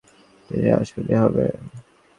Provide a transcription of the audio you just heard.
তিনি রাজপণ্ডিত হবেন।